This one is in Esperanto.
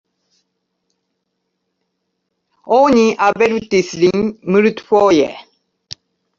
Oni avertis lin multfoje!